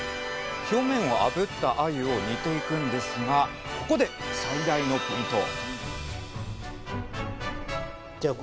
表面をあぶったあゆを煮ていくんですがここで最大のポイント！